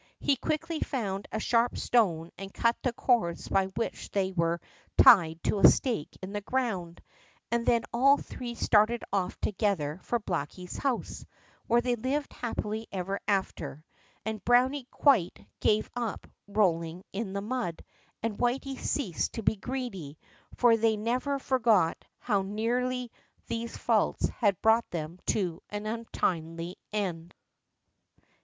He quickly found a sharp stone and cut the cords by which they were tied to a stake in the ground, and then all three started off together for Blacky's house, where they lived happily ever after; and Browny quite gave up rolling in the mud and Whity ceased to be greedy, for they never forgot how nearly these faults had brought them to an untimely end.